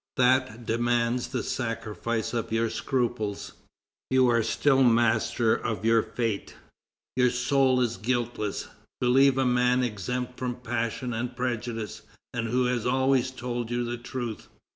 That demands the sacrifice of your scruples ... You are still master of your fate. Your soul is guiltless; believe a man exempt from passion and prejudice, and who has always told you the truth."